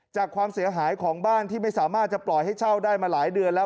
ความเสียหายของบ้านที่ไม่สามารถจะปล่อยให้เช่าได้มาหลายเดือนแล้ว